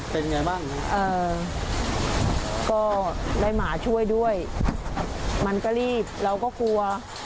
เป็นไงบ้างเอ่อก็ได้หมาช่วยด้วยมันก็รีบเราก็กลัว